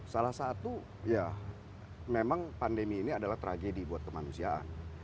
salah satu ya memang pandemi ini adalah tragedi buat kemanusiaan